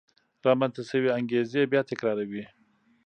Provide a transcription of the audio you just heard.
رامنځته شوې انګېزې بیا تکرار وې.